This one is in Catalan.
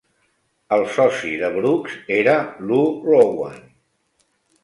El soci de Brooks era Lou Rowan.